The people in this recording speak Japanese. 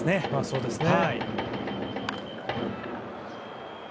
そうですね。